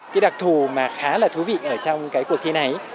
cái đặc thù mà khá là thú vị ở trong cái cuộc thi này